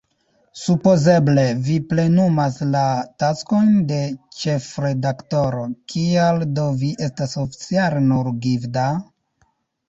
Supozeble vi plenumas la taskojn de ĉefredaktoro, kial do vi estas oficiale nur "gvida"?